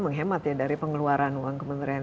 menghemat ya dari pengeluaran uang kementerian